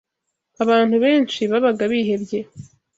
Abantu benshi babaga bihebye